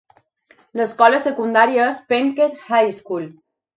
L'escola secundària és Penketh High School.